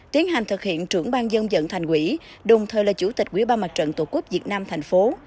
tiến hành thực hiện trưởng ban dân dận thành quỹ đồng thời là chủ tịch quỹ ban mặt trận tổ quốc việt nam thành phố